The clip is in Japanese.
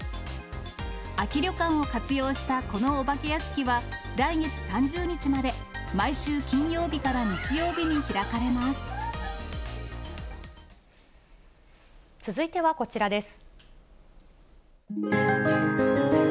空き旅館を活用したこのお化け屋敷は、来月３０日まで、毎週金曜日から日曜日に開かれま続いてはこちらです。